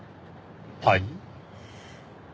はい？